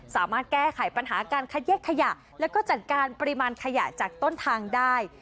สามารถแก้ไขปัญหาการคัดแยกขยะแล้วก็จัดการปริมาณขยะจากต้นทางได้